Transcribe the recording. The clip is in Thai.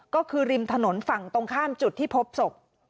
ก็คือริมถนนฝั่งตรงข้ามจุดที่พบศพ